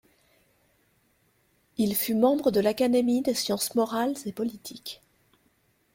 Il fut membre de l'Académie des sciences morales et politiques.